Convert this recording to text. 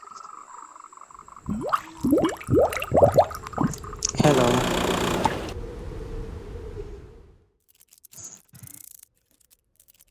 The overall reaction for the Madelung synthesis follows.